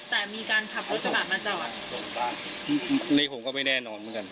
แต่มีการขับรถกระบะมาจอดบ้านนี่ผมก็ไม่แน่นอนเหมือนกัน